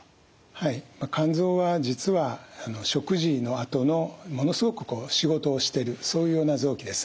はい肝臓は実は食事のあとのものすごくこう仕事をしてるそういうような臓器です。